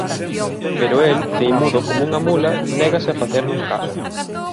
Pero el, teimudo coma unha mula, négase a facernos caso.